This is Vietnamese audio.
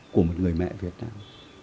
của một người mẹ việt nam